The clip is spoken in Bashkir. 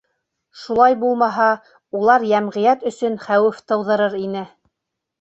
Шулай булмаһа, улар йәмғиәт өсөн хәүеф тыуҙырыр ине.